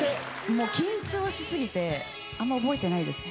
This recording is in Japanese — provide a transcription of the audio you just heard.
もう緊張し過ぎてあんま覚えてないですね。